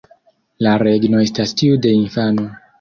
La regno estas tiu de infano"".